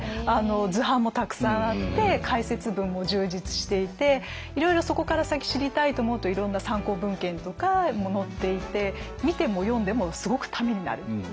図版もたくさんあって解説文も充実していていろいろそこから先知りたいと思うといろんな参考文献とかも載っていて見ても読んでもすごくためになる。